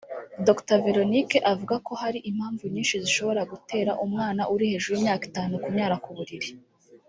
Dr Véronique avuga ko hari impamvu nyinshi zishobora gutera umwana uri hejuru y’imyaka itanu kunyara ku buriri